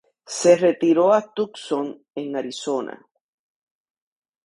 Se retiró a Tucson, en Arizona.